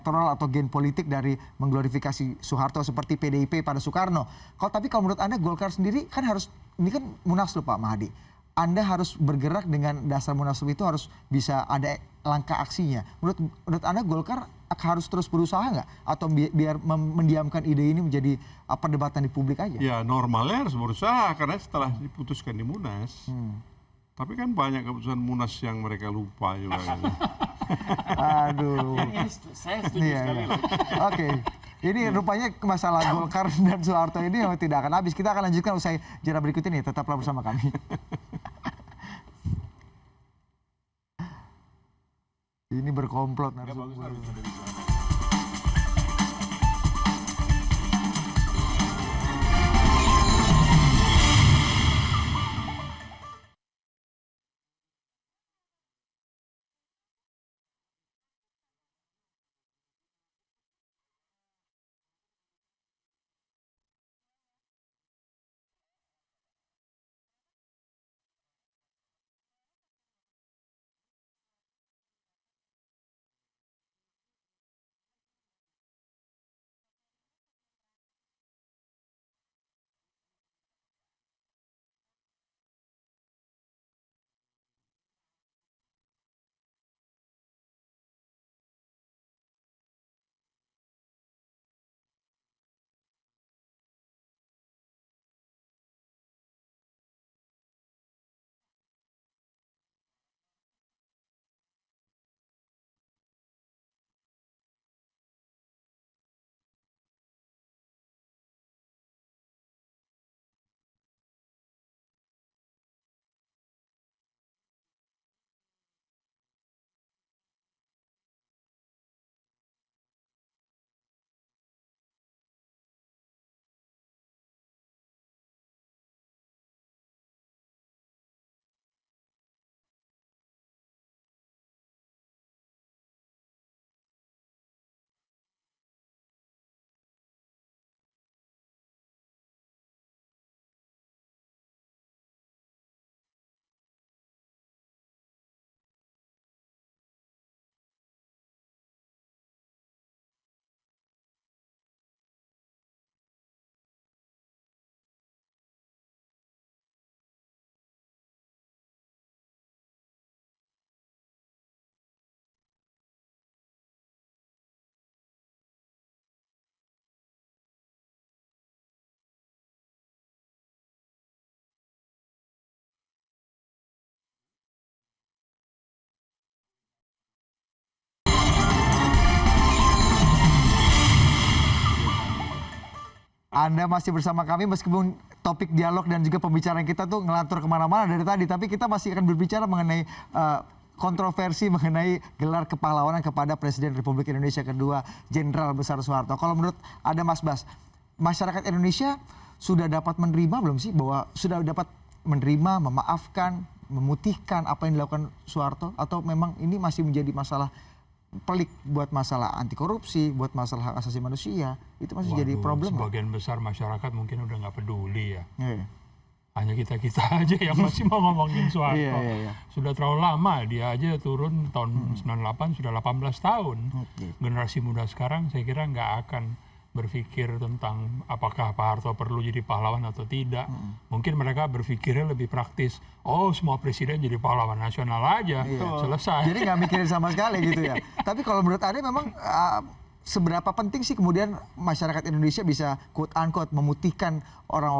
tapi kalau kita sekarang kalau kita melihat ini kan dari segi politik kalau kata mas bas ya ini cuma agenda sampingan yang kurang begitu penting